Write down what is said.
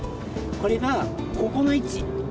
これがここの位置。